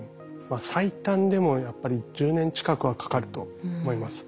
最短でもやっぱり１０年近くはかかると思います。